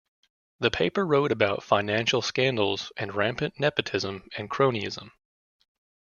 The paper wrote about financial scandals and rampant nepotism and cronyism.